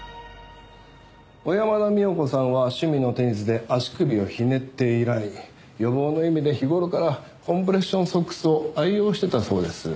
小山田美穂子さんは趣味のテニスで足首をひねって以来予防の意味で日頃からコンプレッションソックスを愛用してたそうです。